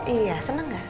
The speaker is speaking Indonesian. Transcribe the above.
iya seneng gak